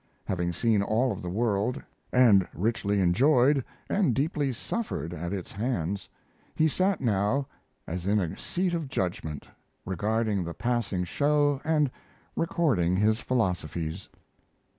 Having seen all of the world, and richly enjoyed and deeply suffered at its hands, he sat now as in a seat of judgment, regarding the passing show and recording his philosophies.